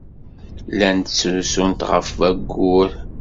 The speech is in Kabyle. Llant ttrusunt ɣef wayyur.